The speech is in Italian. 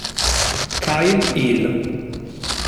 Kyle Hill